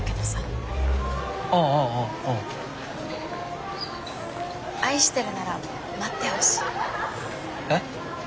あぁあぁあぁあぁ。愛してるなら待ってほしい。え？